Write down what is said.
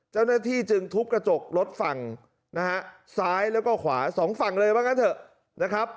เจ้าหน้าที่จึงทุบกระจกรถฝั่งซ้ายแล้วก็ขวา๒ฝั่งเลยบ้างกันเถอะ